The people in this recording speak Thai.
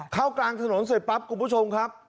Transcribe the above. กลางถนนเสร็จปั๊บคุณผู้ชมครับ